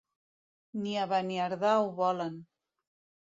Ni a Beniardà ho volen!